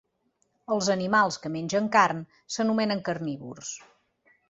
Els animals que mengen carn s'anomenen carnívors.